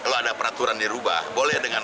kalau ada peraturan dirubah boleh dengan